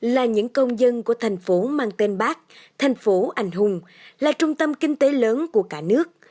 là những công dân của thành phố mang tên bác thành phố ảnh hùng là trung tâm kinh tế lớn của cả nước